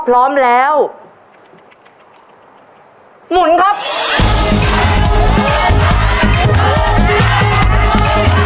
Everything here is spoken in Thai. ภายในเวลา๓นาที